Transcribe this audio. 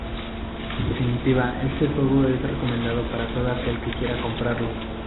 En definitiva, este juego es recomendado para todo aquel que quiera comprarlo.